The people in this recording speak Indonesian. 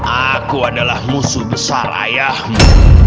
aku adalah musuh besar ayahmu